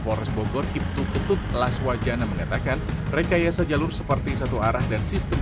polres bogor ibtu ketut laswajana mengatakan rekayasa jalur seperti satu arah dan sistem